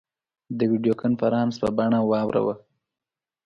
د ویډیو کنفرانس په بڼه واوراوه.